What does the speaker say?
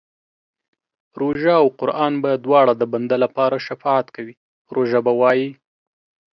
روژه او قران به دواړه د بنده لپاره شفاعت کوي، روژه به وايي